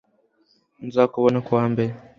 nzakubona kuwa mbere